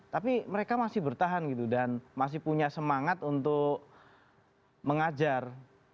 tapi mereka masih bertahan gitu dan masih punya semangat untuk mengajar